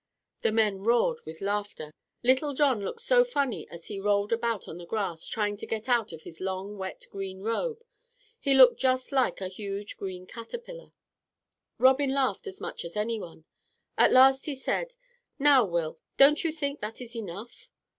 The men roared with laughter. Little John looked so funny as he rolled about on the grass, trying to get out of his long, wet, green robe. He looked just like a huge green caterpillar. Robin laughed as much as any one. At last he said, "Now, Will, don't you think that is enough?"